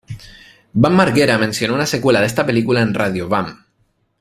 Bam Margera mencionó una secuela de esta película en Radio Bam.